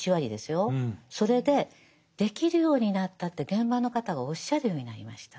それでできるようになったって現場の方がおっしゃるようになりました。